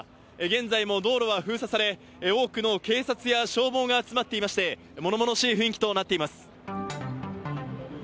現在も道路は封鎖され多くの警察や消防が集まっていまして物々しい雰囲気となっています。